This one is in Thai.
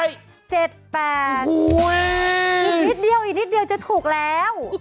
อีกนิดเดียวอีกนิดเดียวจะถูกแล้ว